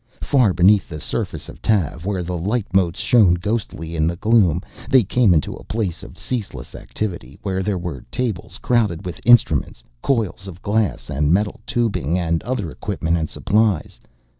Far beneath the surface of Tav, where the light motes shone ghostly in the gloom, they came into a place of ceaseless activity, where there were tables crowded with instruments, coils of glass and metal tubing, and other equipment and supplies.